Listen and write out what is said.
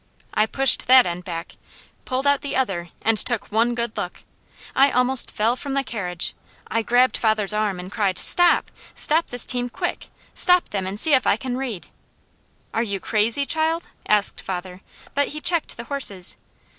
I pushed that end back, pulled out the other, and took one good look. I almost fell from the carriage. I grabbed father's arm and cried: "Stop! Stop this team quick. Stop them and see if I can read." "Are you crazy, child?" asked father, but he checked the horses.